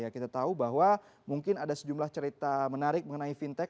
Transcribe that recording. kita tahu bahwa mungkin ada sejumlah cerita menarik mengenai fintech